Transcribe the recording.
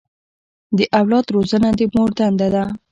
د اولاد روزنه د مور دنده ده.